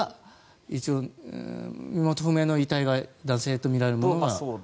一応、身元不明の遺体が男性とみられると？